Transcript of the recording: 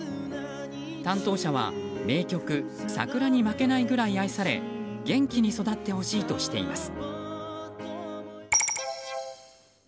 担当者は名曲「さくら」に負けないぐらい愛され元気に育ってほしいとしています。